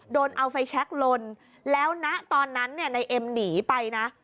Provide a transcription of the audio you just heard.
โดนเอาไฟแช็คลนแล้วณตอนนั้นเนี่ยในเอ็มหนีไปนะ